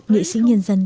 nghệ sĩ nhân dân